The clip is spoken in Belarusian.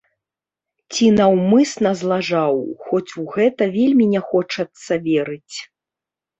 Ці наўмысна злажаў, хоць у гэта вельмі не хочацца верыць.